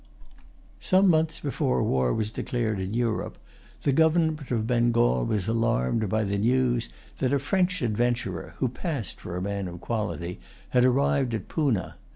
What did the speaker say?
Some months before war was declared in Europe the government of Bengal was alarmed by the news that a French adventurer, who passed for a man of quality, had arrived at Poonah.